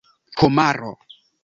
homaro